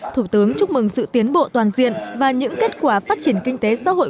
thủ tướng chúc mừng sự tiến bộ toàn diện và những kết quả phát triển kinh tế xã hội